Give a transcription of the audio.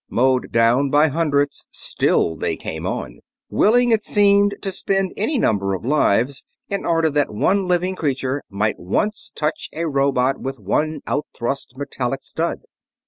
Mowed down by hundreds, still they came on; willing, it seemed to spend any number of lives in order that one living creature might once touch a robot with one outthrust metallic stud.